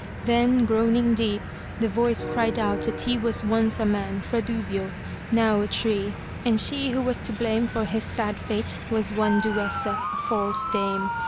Then, groaning deep, the voice cried out that he was once a man, Fradubio, now a tree, and she who was to blame for his sad fate was one Duessa, a false dame.